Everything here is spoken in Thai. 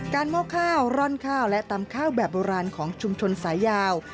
หม้อข้าวร่อนข้าวและตำข้าวแบบโบราณของชุมชนสายยาว